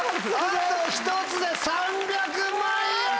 あと１つで３００万円！